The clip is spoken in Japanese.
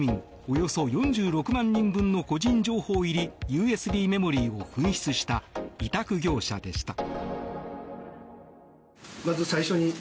およそ４６万人分の個人情報入りＵＳＢメモリーを紛失した委託業者でした。